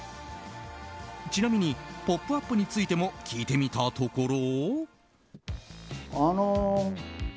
ちなみに「ポップＵＰ！」についても聞いてみたところ。